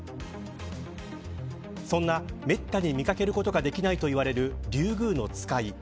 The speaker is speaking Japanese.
そんな、めったに見掛けることができないといわれるリュウグウノツカイ。